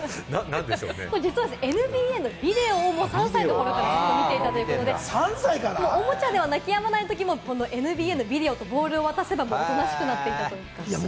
実はＮＢＡのビデオを３歳の頃からずっと見ていたということで、おもちゃでは泣きやまないときも、このＮＢＡのビデオとボールを渡せば、おとなしくなっていたということです。